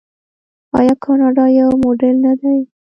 آیا کاناډا یو موډل نه دی؟